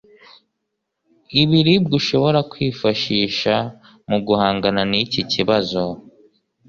Ibiribwa ushobora kwifashisha mu guhangana n'iki kibazo